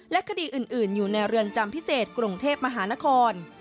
คดีอื่นอยู่ในเรือนจำพิเศษกรุงเทพมหานคร